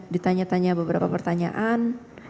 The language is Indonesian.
ditanya tanya beberapa pertanyaan